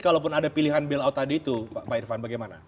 kalaupun ada pilihan bailout tadi itu pak irfan bagaimana